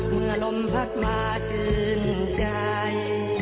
เมื่อลมพัดมาชื่นใจ